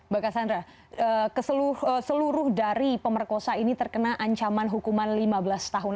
mbak cassandra seluruh dari pemerkosa ini terkena ancaman hukuman lima belas tahun